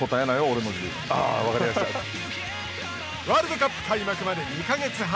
ワールドカップ開幕まで２か月半。